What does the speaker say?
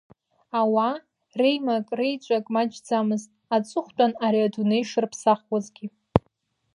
Ауаа реимак-реиҿак маҷӡамызт, аҵыхәтәан ари адунеи шырԥсахуазгьы.